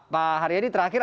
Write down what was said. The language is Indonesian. pak haryadi terakhir